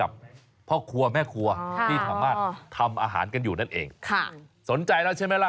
อบไก่